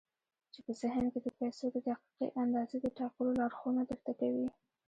چې په ذهن کې د پيسو د دقيقې اندازې د ټاکلو لارښوونه درته کوي.